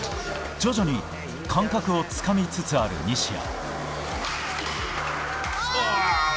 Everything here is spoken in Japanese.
徐々に感覚をつかみつつある西矢。